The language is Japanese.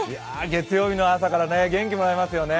月曜日の朝から元気もらえますね。